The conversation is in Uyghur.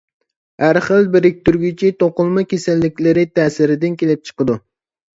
ھەر خىل بىرىكتۈرگۈچى توقۇلما كېسەللىكلىرى تەسىردىن كېلىپ چىقىدۇ.